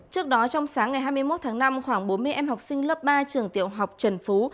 trước đó trong sáng ngày hai mươi một tháng năm khoảng bốn mươi em học sinh lớp ba trường tiểu học trần phú